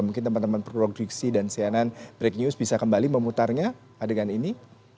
mungkin teman teman proyeksi dan siaran break news bisa kembali memutarnya adegan ini